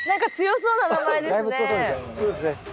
そうですね。